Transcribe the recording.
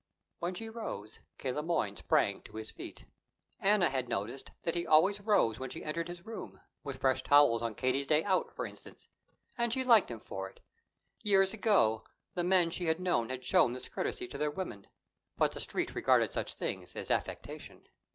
When she rose, K. Le Moyne sprang to his feet. Anna had noticed that he always rose when she entered his room, with fresh towels on Katie's day out, for instance, and she liked him for it. Years ago, the men she had known had shown this courtesy to their women; but the Street regarded such things as affectation.